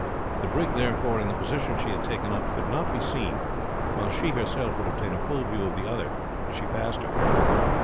The brig, therefore, in the position she had taken up could not be seen, while she herself would obtain a full view of the other as she passed her.